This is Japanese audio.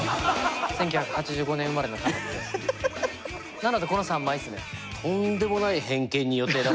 なのでこの３枚ですね。